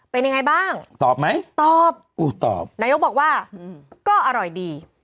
เป็นอย่างไรบ้างตอบไหมตอบนายกบอกว่าก็อร่อยดี